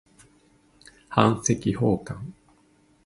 版籍奉還